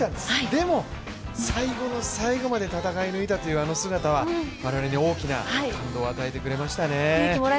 でも、最後の最後まで戦い抜いたというあの姿は我々に大きな感動を与えてくれましたね。